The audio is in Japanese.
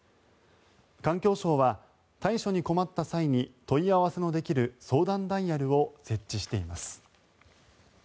環境省は対処に困った際に問い合わせのできる相談ダイヤルを設置しています。